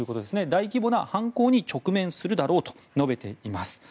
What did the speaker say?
大規模な反抗に直面するだろうと述べています。